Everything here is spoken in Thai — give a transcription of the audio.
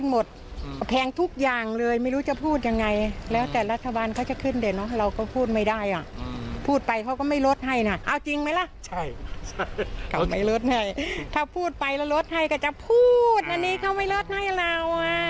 มันเลิศให้เราอ่ะใช่ไหมล่ะ